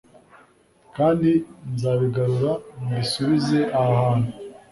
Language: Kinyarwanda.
kandi nzabigarura mbisubize aha hantu